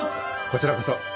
こちらこそ。